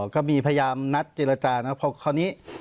ก็มีพยายามนัดเจรจานะพอคราวนี้